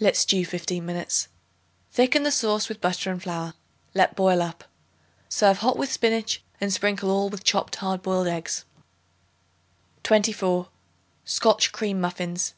Let stew fifteen minutes. Thicken the sauce with butter and flour; let boil up. Serve hot with spinach and sprinkle all with chopped hard boiled eggs. 24. Scotch Cream Muffins.